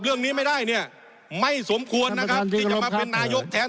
เรื่องนี้ไม่ได้เนี่ยไม่สมควรนะครับ